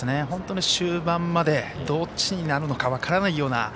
本当に終盤までどっちになるのか分からないような。